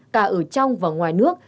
cả ở trong và ngoài nước